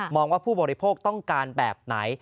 ว่าผู้บริโภคต้องการแบบไหน